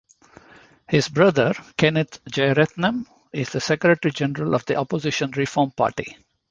His brother, Kenneth Jeyaretnam, is the secretary-general of the opposition Reform Party.